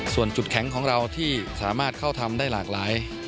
ส่วนจุดแข็งของเราที่สามารถเข้าทำได้หลากหลาย